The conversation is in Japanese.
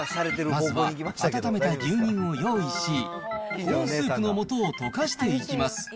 まずは温めた牛乳を用意し、コーンスープのもとを溶かしていきます。